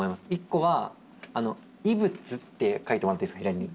１個は異物って書いてもらっていいですか左に。